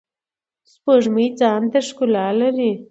سپوږمۍ ځانته ښکلا لری.